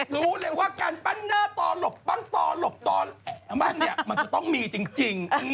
รู้เลยว่าการปั้นหน้าต่อหลบปั้งต่อหลบตอนบ้านเนี่ยมันจะต้องมีจริง